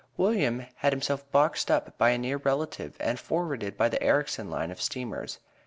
William had himself boxed up by a near relative and forwarded by the Erricson line of steamers.